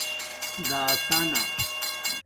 دَاسݳنہ